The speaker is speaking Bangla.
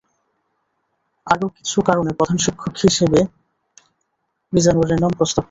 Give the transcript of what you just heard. আরও কিছু কারণে প্রধান শিক্ষক হিসেবে মিজানুরের নাম প্রস্তাব করা হয়।